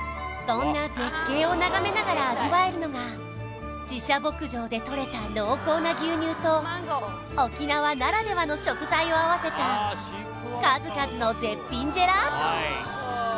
そんな絶景を眺めながら味わえるのが自社牧場でとれた濃厚な牛乳と沖縄ならではの食材をあわせた数々の絶品ジェラート